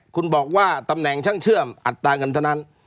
คุณบอกว่าตำแหน่งช่างเชื่อมอัตราเงินเท่านั้น